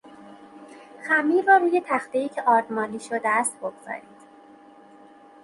خمیر را روی تختهای که آردمالی شده است بگذارید.